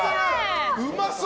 うまそう！